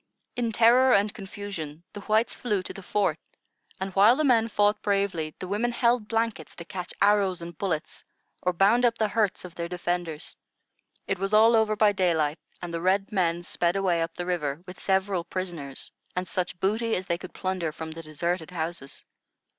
In terror and confusion the whites flew to the fort; and, while the men fought bravely, the women held blankets to catch arrows and bullets, or bound up the hurts of their defenders. It was all over by daylight, and the red men sped away up the river, with several prisoners, and such booty as they could plunder from the deserted houses.